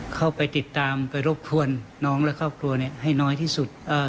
เข้าไปติดตามไปรบกวนน้องและครอบครัวให้น้อยที่สุด